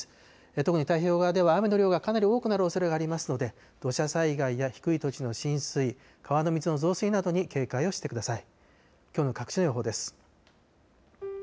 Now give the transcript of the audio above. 特に太平洋側では雨の量がかなり多くなるおそれがありますので、土砂災害や低い土地の浸水、川の水の増水などに警戒をしてください。